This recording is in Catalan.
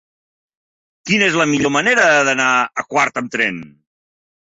Quina és la millor manera d'anar a Quart amb tren?